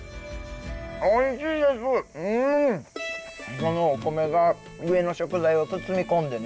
このお米が上の食材を包み込んでね。